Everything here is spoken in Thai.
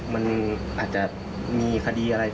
มันอาจจะมีคดีอะไร